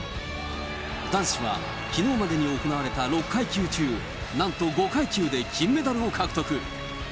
男子はきのうまでに行われた６階級中なんと５階級で金メダルを獲得。